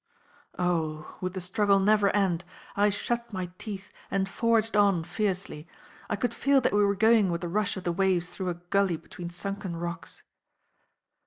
Oh! would the struggle never end! I shut my teeth, and forged on fiercely. I could feel that we were going with the rush of the waves through a gully between sunken rocks.